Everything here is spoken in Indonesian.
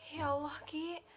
ya allah ki